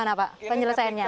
kenapa pak penyelesaiannya